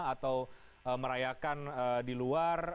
atau merayakan di luar